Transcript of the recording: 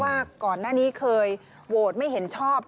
ว่าก่อนหน้านี้เคยโหวตไม่เห็นชอบ